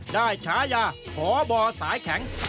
ได้ฉายาห่อบ่อสายแข็ง